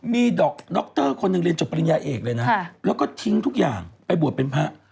ดรคนหนึ่งเรียนจบปริญญาเอกเลยนะแล้วก็ทิ้งทุกอย่างไปบวชเป็นพระ